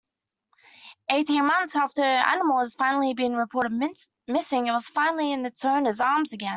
Eighteen months after the animal has been reported missing it was finally in its owner's arms again.